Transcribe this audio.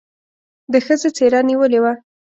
د ښځې څېره نېولې وه.